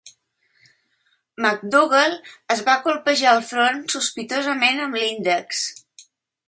MacDougall es va colpejar el front sospitosament amb l'índex.